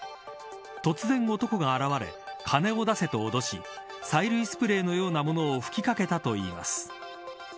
突然、男が現れ金を出せと脅し催涙スプレーのようなものを吹きかけたといいます。